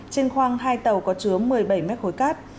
trên khoang hai tàu có chứa một mươi bảy mét khối cát